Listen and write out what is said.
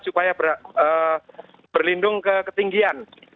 supaya berlindung ke ketinggian